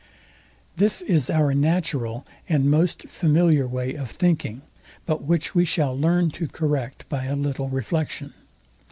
This is our natural and most familiar way of thinking; but which we shall learn to correct by a little reflection.